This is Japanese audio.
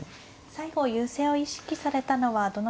最後優勢を意識されたのはどの局面でしょうか。